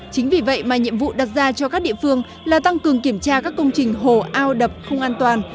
chính vì vậy mà nhiệm vụ đặt ra cho các địa phương là tăng cường kiểm tra các công trình hồ ao đập không an toàn